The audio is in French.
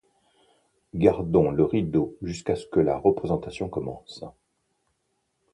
Gardons le rideau jusqu’à ce que la représentation commence.